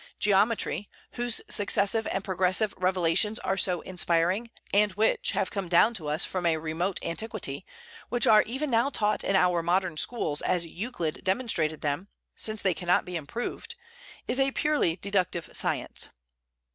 Geometry whose successive and progressive revelations are so inspiring, and which, have come down to us from a remote antiquity, which are even now taught in our modern schools as Euclid demonstrated them, since they cannot be improved is a purely deductive science.